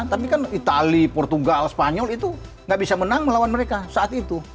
tapi kan itali portugal spanyol itu nggak bisa menang melawan mereka saat itu